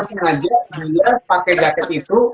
sengaja dia pakai jaket itu